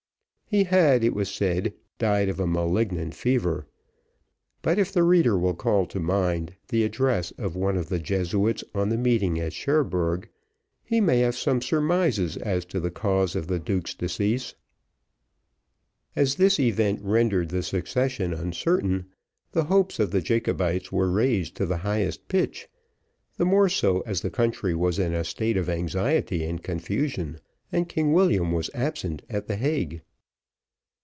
He had, it was said, died of a malignant fever; but if the reader will call to mind the address of one of the Jesuits on the meeting at Cherbourg, he may have some surmises as to the cause of the duke's decease. As this event rendered the succession uncertain, the hopes of the Jacobites were raised to the highest pitch: the more so as the country was in a state of anxiety and confusion, and King William was absent at the Hague.